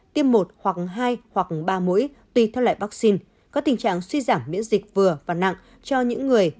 tiêm một hoặc hai hoặc ba mũi tùy theo loại vaccine có tình trạng suy giảm miễn dịch vừa và nặng cho những người